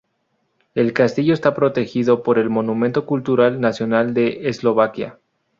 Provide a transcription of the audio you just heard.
El castillo está protegido por el Monumento Cultural Nacional de Eslovaquia.